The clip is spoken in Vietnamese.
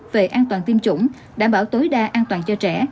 về an toàn tiêm chủng đảm bảo tối đa an toàn cho trẻ